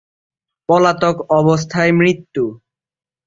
পলাতক অবস্থায় মৃত্যু।